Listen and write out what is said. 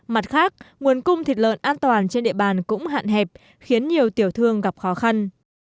mặt khác nguồn cung thịt lợn an toàn trên địa bàn cũng hạn hẹp khiến nhiều tiểu thương gặp khó khăn